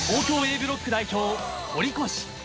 ブロック代表・堀越。